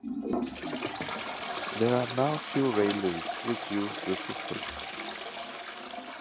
There are now few railways which use this system.